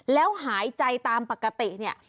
แล้วหายใจตามปกติเนี่ย